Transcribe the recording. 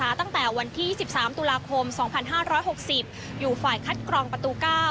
ตั้งแต่วันที่๑๓ตุลาคม๒๕๖๐อยู่ฝ่ายคัดกรองประตู๙